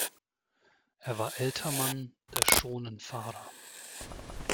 Er war Ältermann der Schonenfahrer.